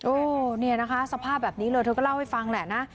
โอ้เนี่ยนะคะสภาพแบบนี้เลยเธอก็เล่าให้ฟังแหละนะ